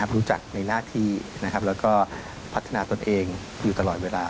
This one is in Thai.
รู้จักในหน้าที่แล้วก็พัฒนาตนเองอยู่ตลอดเวลา